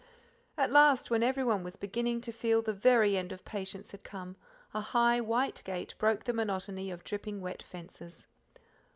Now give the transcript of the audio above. At last, when everyone was beginning to feel the very end of patience had come, a high white gate broke the monotony of dripping wet fences.